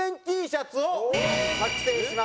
Ｔシャツ？